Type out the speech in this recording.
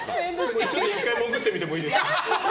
ちょっと１回、潜ってみてもいいですか。